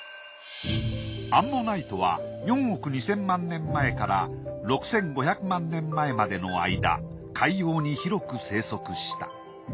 アンモナイトは４億２，０００万年前から６，５００万年前までの間海洋に広く生息した。